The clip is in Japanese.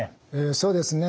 そうですね。